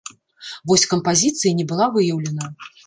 Вось кампазіцыі не была выяўлена.